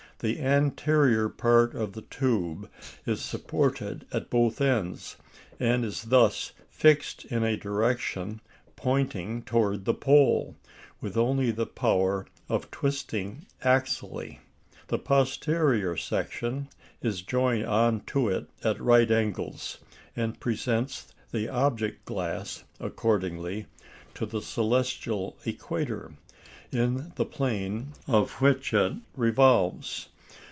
The anterior part of the tube is supported at both ends, and is thus fixed in a direction pointing towards the pole, with only the power of twisting axially. The posterior section is joined on to it at right angles, and presents the object glass, accordingly, to the celestial equator, in the plane of which it revolves.